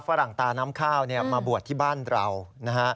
ฝรั่งตาน้ำข้าวเนี่ยมาบวชที่บ้านเรานะฮะ